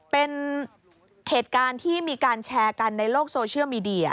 เป็นเหตุการณ์ที่มีการแชร์กันในโลกโซเชียลมีเดีย